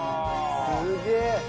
すげえ！